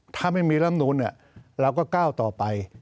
ถ้าไม่มีรำนูนเราก็ก้าวต่อไป